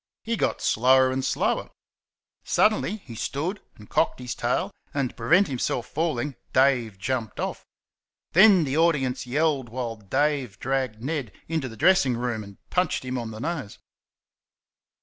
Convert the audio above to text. He got slower and slower. Suddenly, he stood and cocked his tail, and to prevent himself falling, Dave jumped off. Then the audience yelled while Dave dragged Ned into the dressing room and punched him on the nose.